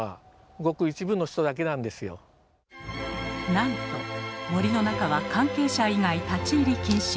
なんと森の中は関係者以外立ち入り禁止。